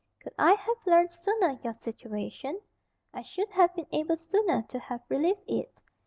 Could I have learned sooner your situation, I should have been able sooner to have relieved it.